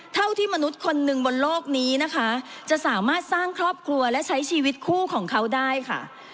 เท่าที่มนุษย์คนหนึ่งบนโลกนี้นะคะจะสามารถสร้างครอบครัวและใช้ชีวิตคู่ของเขาได้ค่ะ